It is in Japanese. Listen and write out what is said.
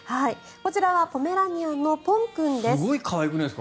こちらはポメラニアンのぽん君です。